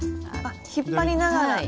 あっ引っ張りながら。